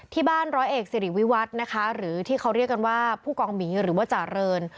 ร้อยเอกสิริวิวัฒน์นะคะหรือที่เขาเรียกกันว่าผู้กองหมีหรือว่าจาเริน